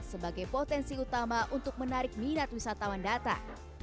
sebagai potensi utama untuk menarik minat wisatawan datang